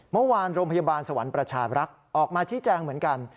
เมื่อวานโรงพยาบาลสวรรค์ประชาบรักษ์ออกมาชี้แจงเหมือนกัน